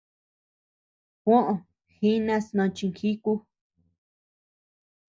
Juó jinas no chinjíku.